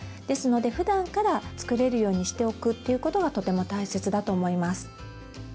ですのでふだんから作れるようにしておくということがとても大切だと思います。